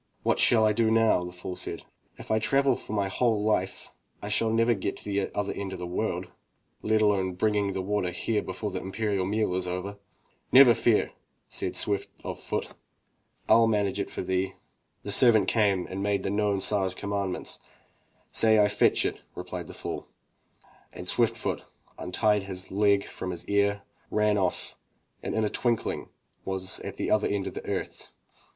"What shall I do now?'* said the fool. "If I travel for my whole life I shall never get to the other end of the world, let alone bringing the water here before the imperial meal is over.'* "Never fear, said Swift of foot, "FU manage it for thee. The servant came and made known the Tsar*s commands. "Say rU fetch it, replied the fool, and Swift of foot untied his leg from his ear, ran off and in a twinkling was at the other end of the earth.